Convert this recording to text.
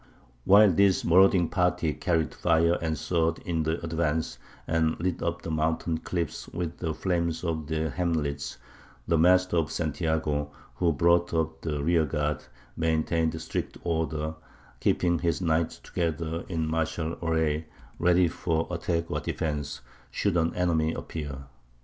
"While this marauding party carried fire and sword in the advance, and lit up the mountain cliffs with the flames of the hamlets, the Master of Santiago, who brought up the rear guard, maintained strict order, keeping his knights together in martial array, ready for attack or defence should an enemy appear.